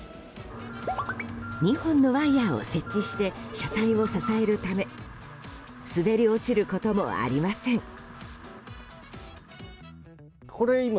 ２本のワイヤを設置して車体を支えるため滑り落ちることもありません。